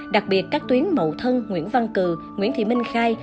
đặc biệt các tuyến mậu thân nguyễn văn cử nguyễn thị minh khai